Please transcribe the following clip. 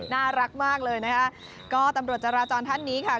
น่ารักมากเลยนะคะก็ตำรวจจราจรท่านนี้ค่ะ